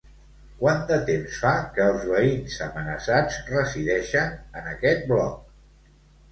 Quant de temps fa que els veïns amenaçats resideixen en aquest bloc?